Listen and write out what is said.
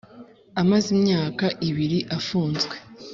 Amaze imyaka ibiri afunzwe